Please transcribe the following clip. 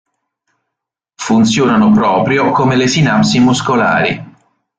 Funzionano proprio come le sinapsi muscolari.